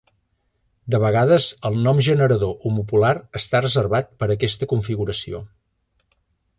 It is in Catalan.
De vegades el nom generador homopolar està reservat per a aquesta configuració.